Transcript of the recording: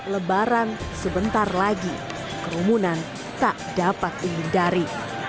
lebaran sebentar lagi kerumunan tak dapat dihindari